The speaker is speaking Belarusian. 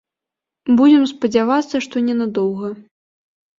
Будзем спадзявацца, што не на доўга.